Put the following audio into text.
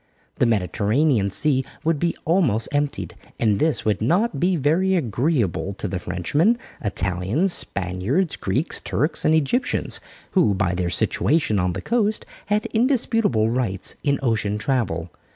The Mediterranean Sea would be almost emptied, and this would not be very agreeable to the Frenchmen, Italians, Spaniards, Greeks, Turks, and Egyptians, who by their situation on the coast, had indisputable rights in ocean travel.